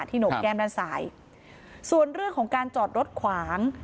หนกแก้มด้านซ้ายส่วนเรื่องของการจอดรถขวาง